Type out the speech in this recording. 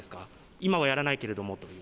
今はやらないけれどもという。